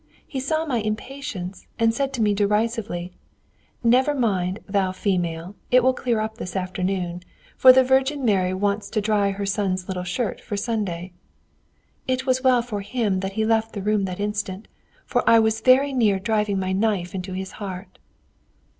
He saw my impatience, and said to me derisively, 'Never mind, thou female, it will clear up this afternoon, for the Virgin Mary wants to dry her son's little shirt for Sunday!' It was well for him that he left the room that instant, for I was very near driving my knife into his heart!"